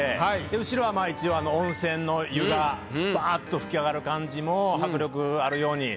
後ろはまぁ一応温泉の湯がバっと吹き上がる感じも迫力あるように。